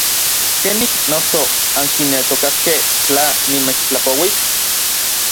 ¿Kenik noso ankineltokaskej tla nimechtlapouis?